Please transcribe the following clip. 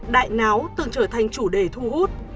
đại náo từng trở thành chủ đề thu hút